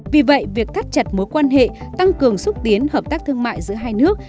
vì vậy việc thắt chặt mối quan hệ tăng cường xúc tiến hợp tác thương mại giữa hai nước